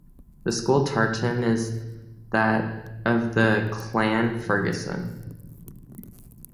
The school tartan is that of the Clan Fergusson.